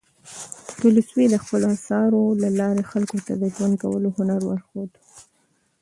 تولستوی د خپلو اثارو له لارې خلکو ته د ژوند کولو هنر وښود.